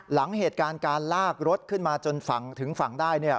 หลังเหตุการณ์การลากรถขึ้นมาจนถึงฝั่งด้าย